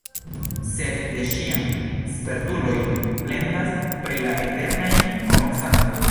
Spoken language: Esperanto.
Sed de ĉiam spertuloj plendas pri la eternaj komencantoj.